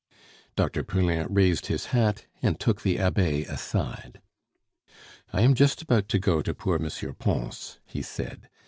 Dr. Poulain raised his hat, and took the Abbe aside. "I am just about to go to poor M. Pons," he said.